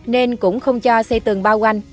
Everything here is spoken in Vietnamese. nên cũng không cho xây tường bao quanh